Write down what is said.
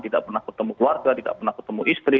tidak pernah ketemu keluarga tidak pernah ketemu istri